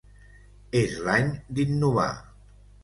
És l'any d'innovar.